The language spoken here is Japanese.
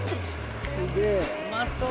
うまそう！